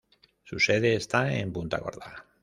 Su sede está en Punta Gorda.